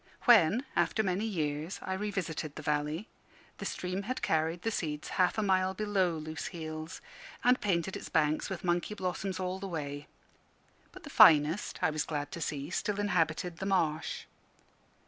When, after many years, I revisited the valley, the stream had carried the seeds half a mile below Loose heels, and painted its banks with monkey blossoms all the way. But the finest, I was glad to see, still inhabited the marsh.